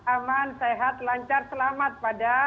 aman sehat lancar selamat pada